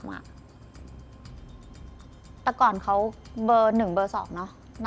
แต่ก่อนเขาเบอร์๑เบอร์๒เนอะ